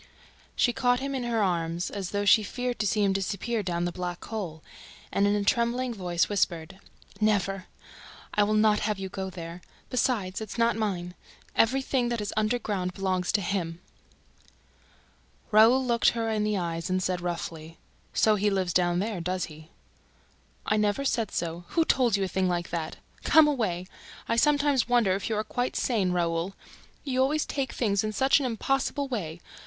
She caught him in her arms, as though she feared to see him disappear down the black hole, and, in a trembling voice, whispered: "Never! ... I will not have you go there! ... Besides, it's not mine ... EVERYTHING THAT IS UNDERGROUND BELONGS TO HIM!" Raoul looked her in the eyes and said roughly: "So he lives down there, does he?" "I never said so ... Who told you a thing like that? Come away! I sometimes wonder if you are quite sane, Raoul ... You always take things in such an impossible way